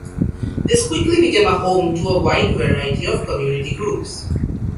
This quickly became a home to a wide variety of community groups.